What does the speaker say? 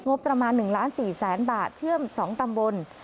งบประมาณ๑๔๐๐๐๐๐บาทเชื่อม๒ตำบล